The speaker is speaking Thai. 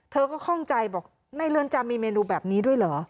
เธอก็คล่องใจบอกในเรือนจำมีเมนูแบบนี้ด้วยเหรอ